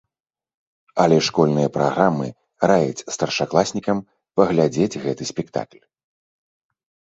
Але школьныя праграмы раяць старшакласнікам паглядзець гэты спектакль.